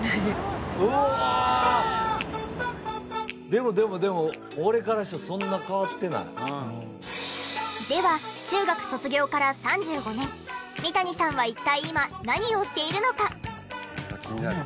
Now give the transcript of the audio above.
でもでもでも俺からしたらでは中学卒業から３５年三谷さんは一体今何をしているのか？